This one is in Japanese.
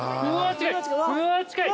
うわ近い。